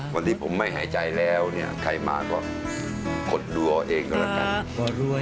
วันที่ผมไม่หายใจแล้วเนี่ยใครมาก็กดดูเอาเองก็แล้วกัน